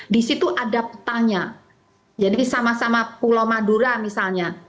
di situ ada petanya jadi sama sama pulau madura misalnya